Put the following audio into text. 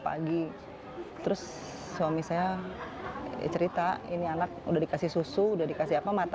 jadi terus suami saya cerita ini anak udah dikasih susu udah dikasih apa